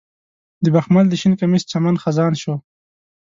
د بخمل د شین کمیس چمن خزان شو